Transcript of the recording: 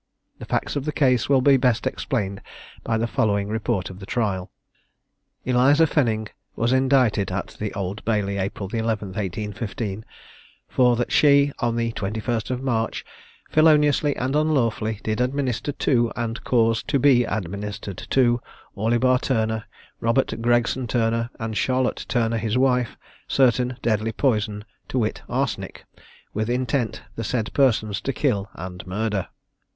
The facts of the case will be best explained by the following report of the trial. Eliza Fenning was indicted at the Old Bailey, April the 11th, 1815, for that she, on the 21st of March, feloniously and unlawfully did administer to, and cause to be administered to, Orlibar Turner, Robert Gregson Turner, and Charlotte Turner, his wife, certain deadly poison, (to wit, arsenic,) with intent the said persons to kill and murder.